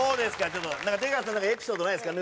ちょっと出川さんなんかエピソードないですか？